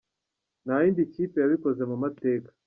Nta yindi kipe yabikoze mu mateka.